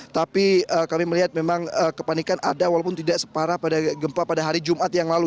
tapi kami melihat memang kepanikan ada walaupun tidak separah pada gempa pada hari jumat yang lalu